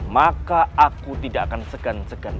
maka aku tidak akan segan segan